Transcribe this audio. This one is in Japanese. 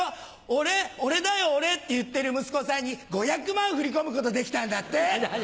「オレオレだよオレ」って言ってる息子さんに５００万振り込むことできたんだって。